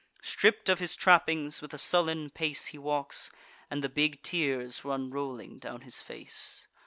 Stripp'd of his trappings, with a sullen pace He walks; and the big tears run rolling down his face.